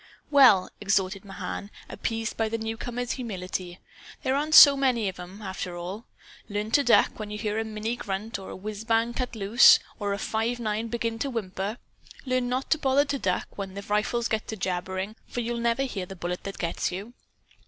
"Well," exhorted Mahan, appeased by the newcomer's humility, "there aren't so many of them, after all. Learn to duck, when you hear a Minnie grunt or a whizzbang cut loose; or a five nine begin to whimper. Learn not to bother to duck when the rifles get to jabbering for you'll never hear the bullet that gets you.